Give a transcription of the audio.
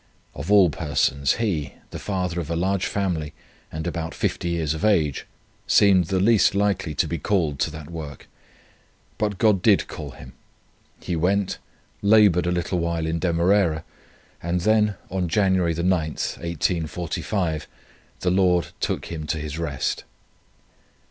Of all persons he, the father of a large family, and about 50 years of age, seemed the least likely to be called to that work; but God did call him. He went, laboured a little while in Demerara, and then, on January 9, 1845, the Lord took him to his rest.